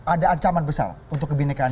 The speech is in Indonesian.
ada ancaman besar untuk kebenekaan